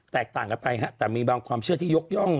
ต่างกันไปฮะแต่มีบางความเชื่อที่ยกย่อง